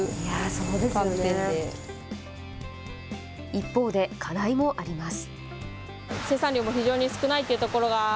一方で課題もあります。